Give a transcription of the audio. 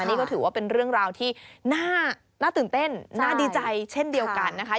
นี่ก็ถือว่าเป็นเรื่องราวที่น่าตื่นเต้นน่าดีใจเช่นเดียวกันนะคะ